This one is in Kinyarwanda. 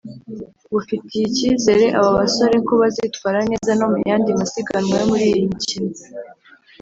bufitiye ikizere aba basore ko bazitwara neza no mu yandi masiganwa yo muri iyi mikino